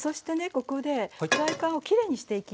ここでフライパンをきれいにしていきます。